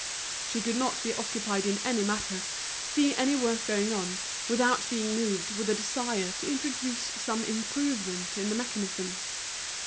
She could not be occupied in any matter, see any work going on, without being moved with a desire to introduce some improvement in the mechanism.